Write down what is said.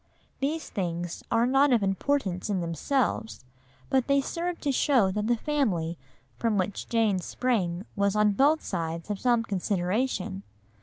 These things are not of importance in themselves, but they serve to show that the family from which Jane sprang was on both sides of some consideration.